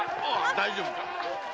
大丈夫か？